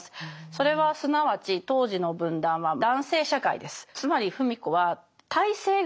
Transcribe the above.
それはすなわち当時の文壇は男性社会です。